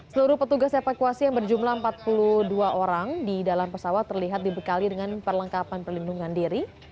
seluruh petugas evakuasi yang berjumlah empat puluh dua orang di dalam pesawat terlihat dibekali dengan perlengkapan perlindungan diri